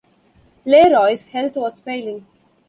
LeRoy's health was failing.